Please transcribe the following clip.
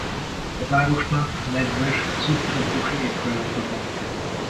A városnak nedves szubtrópusi éghajlata van.